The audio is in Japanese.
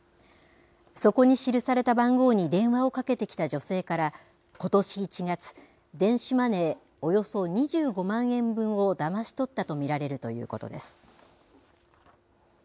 そこに記された番号に電話をかけてきた女性から、ことし１月、電子マネーおよそ２５万円分をだまし取ったと見られるということです。